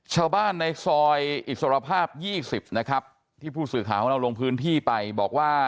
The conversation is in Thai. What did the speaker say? ชาวบ้านในซอยอิสรภาพ๒๐นะครับที่ผู้สื่อข่าวของเราลงพื้นที่ไปบอกว่า